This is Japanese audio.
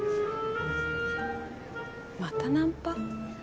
またナンパ？